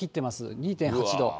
２．８度。